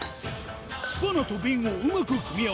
スパナと瓶をうまく組み合わせ